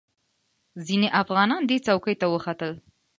ځینې افغانان دې څوکې ته وختل.